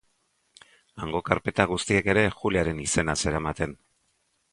Hango karpeta guztiek ere Juliaren izena zeramaten.